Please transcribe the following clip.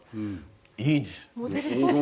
いいね。